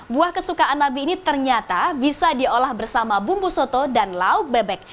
buah kesukaan nabi ini ternyata bisa diolah bersama bumbu soto dan lauk bebek